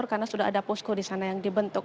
karena sudah ada posko di sana yang dibentuk